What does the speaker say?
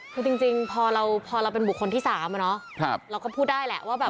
คือจริงพอเราพอเราเป็นบุคคลที่๓อะเนาะเราก็พูดได้แหละว่าแบบ